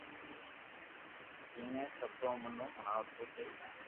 ڪني سب منو ھڻوتو سھي